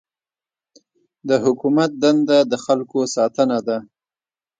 د حکومت دنده د خلکو ساتنه ده.